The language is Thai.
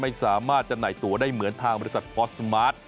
สามารถจำหน่ายตัวได้เหมือนทางบริษัทพอสมาร์ท